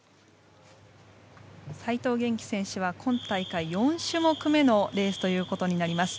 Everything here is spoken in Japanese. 齋藤元希選手は今大会４種目めのレースとなります。